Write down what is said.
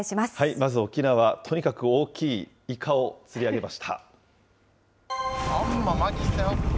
まず沖縄、とにかく大きいイカを釣り上げました。